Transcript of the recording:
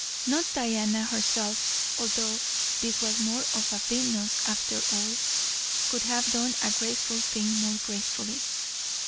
Not Diana herself, although this was more of a Venus after all, could have done a graceful thing more gracefully.